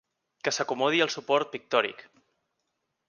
Que s’acomodi al suport pictòric.